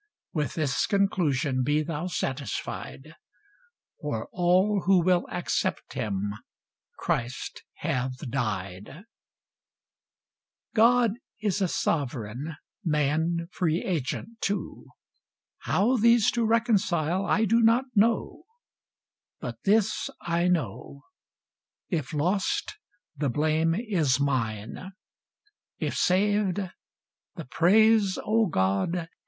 With this conclusion be thou satisfied For all who will accept him, Christ hath died. Sept. 19, 1862. God is a Sovereign, man free agent too; How these to reconcile I do not know: But this I know, if lost, the blame is mine, If saved, the praise, oh God!